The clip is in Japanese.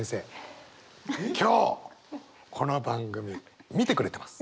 今日この番組見てくれてます。